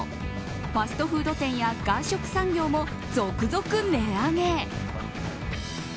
ファストフード店や外食産業も続々値上げ。